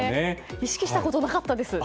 意識したことなかったです。